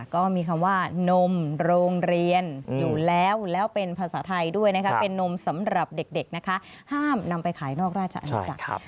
ก็มีคำว่านมโรงเรียนอยู่แล้วแล้วเป็นภาษาไทยด้วยนะคะเป็นนมสำหรับเด็กนะคะห้ามนำไปขายนอกราชอาณาจักร